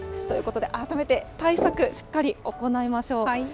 ということで、改めて対策しっかり行いましょう。